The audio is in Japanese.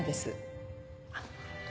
あっ。